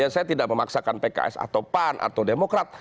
saya tidak memaksakan pks atau pan atau demokrat